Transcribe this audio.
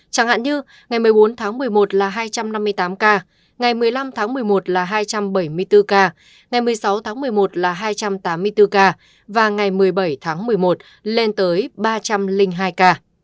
chẳng hạn như ngày một mươi bốn tháng một mươi một là hai trăm năm mươi tám ca ngày một mươi năm tháng một mươi một là hai trăm bảy mươi bốn ca ngày một mươi sáu tháng một mươi một là hai trăm tám mươi bốn ca và ngày một mươi bảy tháng một mươi một lên tới ba trăm linh hai ca